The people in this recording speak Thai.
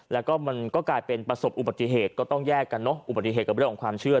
แล้วก็มันก็กลายเป็นประสบอุบัติเหตุก็ต้องแยกกันเนอะอุบัติเหตุกับเรื่องของความเชื่อ